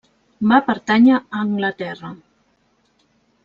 Va pertànyer a Anglaterra.